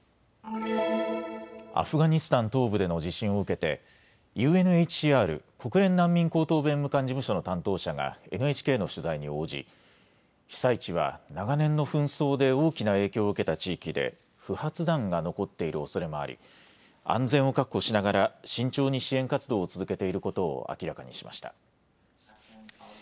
アフガニスタン東部での地震を受けてＵＮＨＣＲ・国連難民高等弁務官事務所の担当者がＮＨＫの取材に応じ被災地は長年の紛争で大きな影響を受けた地域で不発弾が残っているおそれもあり安全を確保しながら慎重に支援活動を続けていることを明らかにしました。